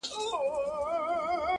نه يوه بل ته په زور تسليمېدله؛